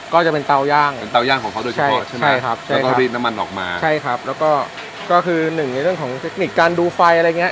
ก็จะเป็นเต้าย่างเป็นเต้าย่างของเขาโดยเฉพาะใช่ไหมใช่ครับแล้วก็ก็คือหนึ่งในเรื่องของเทคนิคการดูไฟอะไรเงี้ย